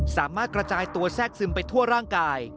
สามารถกระจายตัวแทรกซึมไปทั่วร่างกาย